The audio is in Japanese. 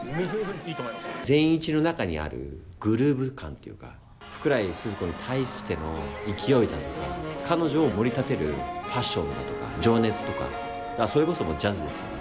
善一の中にあるグルーヴ感というか福来スズ子に対しての勢いだとか彼女をもり立てるパッションだとか情熱とかそれこそジャズですよね